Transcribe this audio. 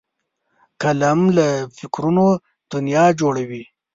قلم له فکرونو دنیا جوړوي